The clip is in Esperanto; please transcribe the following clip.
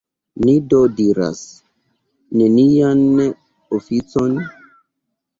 Ni do diras: nenian oficon?